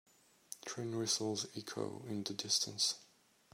Train whistles echo in the distance.